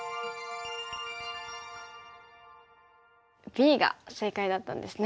Ｂが正解だったんですね。